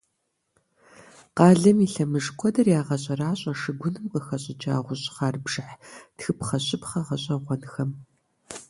Къалэм и лъэмыж куэдыр ягъэщӀэращӀэ шыгуным къыхэщӀыкӀа гъущӀхъар бжыхь тхыпхъэщӀыпхъэ гъэщӀэгъуэнхэм.